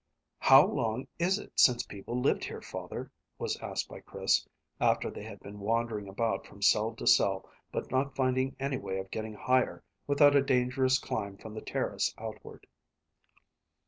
"How long is it since people lived here, father?" was asked by Chris, after they had been wandering about from cell to cell but not finding any way of getting higher without a dangerous climb from the terrace outward.